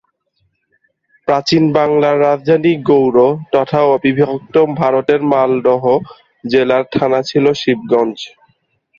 প্রাচীন বাংলার রাজধানী গৌড় তথা অবিভক্ত ভারতের মালদহ জেলার থানা ছিল শিবগঞ্জ।